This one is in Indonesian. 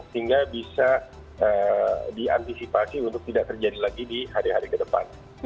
sehingga bisa diantisipasi untuk tidak terjadi lagi di hari hari ke depan